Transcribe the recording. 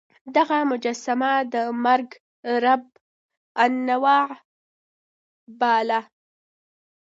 دغه مجسمه د مرګ رب النوع باله.